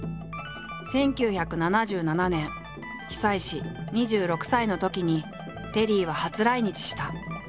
１９７７年久石２６歳のときにテリーは初来日した。